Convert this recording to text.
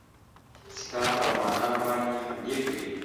سیکهان پر افغانانو باندي حملې کوي.